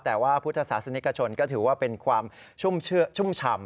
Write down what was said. แต่ว่าพุทธศาสนิกชนก็ถือว่าเป็นความชุ่มฉ่ำ